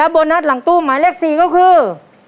แล้วโบนัสหลังตู้หมายเลขสี่ก็คือ